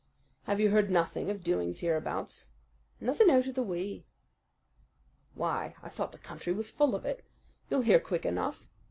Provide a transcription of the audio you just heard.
"Have you heard nothing of doings hereabouts?" "Nothing out of the way." "Why, I thought the country was full of it. You'll hear quick enough.